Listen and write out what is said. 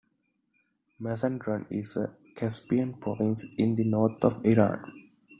Mazandaran is a Caspian province in the north of Iran.